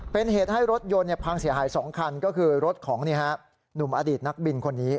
เป็นเหตุให้รถยนต์พังเสียหาย๒คันก็คือรถของหนุ่มอดีตนักบินคนนี้